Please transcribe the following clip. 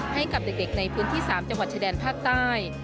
ให้กับเด็กในพื้นที่๓จังหวัดชายแดนภาคใต้